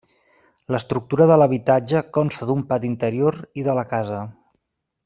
L’estructura de l’habitatge consta d’un pati interior i de la casa.